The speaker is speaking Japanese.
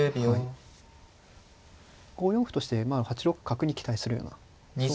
５四歩としてまあ８六角に期待するようなそういう。